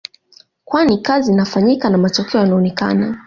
Kwani kazi zinafanyika na matokeo yanaonekana